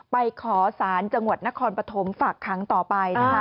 ไปขอสารจังหวัดนครปฐมฝากค้างต่อไปนะคะ